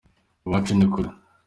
iwacu ni kure.